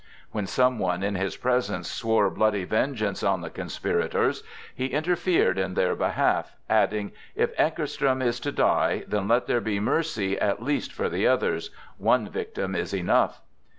When some one in his presence swore bloody vengeance on the conspirators, he interfered in their behalf, adding: "If Ankarström is to die, then let there be mercy at least for the others! One victim is enough!"